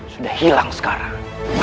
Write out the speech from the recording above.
sudah hilang sekarang